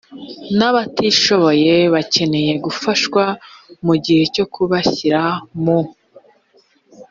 n abatishoboye bakeneye gufashwa mu gihe cyo kubashyira mu